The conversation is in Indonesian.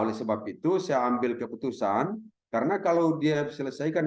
oleh sebab itu saya ambil keputusan karena kalau dia selesaikan